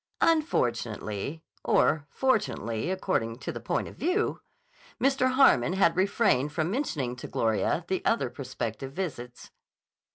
Unfortunately, or fortunately according to the point of view, Mr. Harmon had refrained from mentioning to Gloria the other prospective visits.